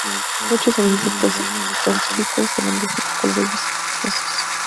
Muchos son insectos conspicuos, grandes y de colores vistosos.